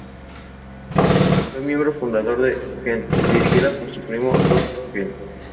Fue miembro fundador de Argent, dirigida por su primo Rod Argent.